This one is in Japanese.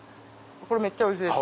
めっちゃおいしいです。